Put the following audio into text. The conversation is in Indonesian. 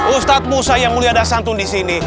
ustadz musa yang mulia dasantun disini